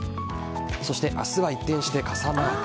そして明日は一転して傘マーク。